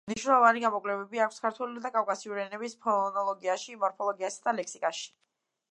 მნიშვნელოვანი გამოკვლევები აქვს ქართველური და კავკასიური ენების ფონოლოგიაში, მორფოლოგიასა და ლექსიკაში.